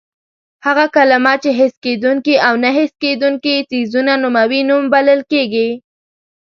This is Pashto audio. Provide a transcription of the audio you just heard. هغه کلمه چې حس کېدونکي او نه حس کېدونکي څیزونه نوموي نوم بلل کېږي.